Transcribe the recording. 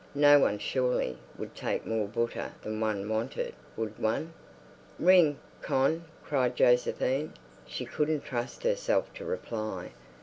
"No one, surely, would take more buttah than one wanted—would one?" "Ring, Con," cried Josephine. She couldn't trust herself to reply.